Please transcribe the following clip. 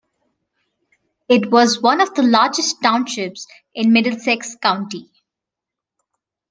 It was one of the largest townships in Middlesex County.